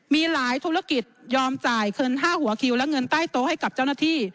มีหลายธุรกิจยอมจ่ายเงิน๕หัวคิวและเงินใต้โต๊ะให้กับเจ้าหน้าที่